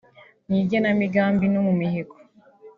mu igenamigambi no mu mihigo